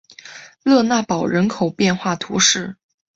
勒讷堡人口变化图示